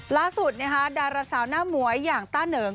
ล่าสุดนะคะดาราสาวหน้าหมวยอย่างต้าเหนิง